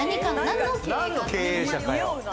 何の経営者かよ？